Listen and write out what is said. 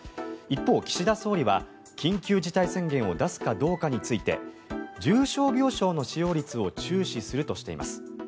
一方、岸田総理は緊急事態宣言を出すかどうかについて重症病床の使用率を注視するとしています。